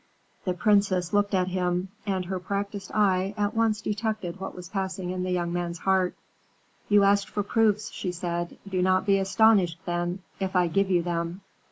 The princess looked at him, and her practiced eye at once detected what was passing in the young man's heart. "You asked for proofs," she said; "do not be astonished, then, if I give you them.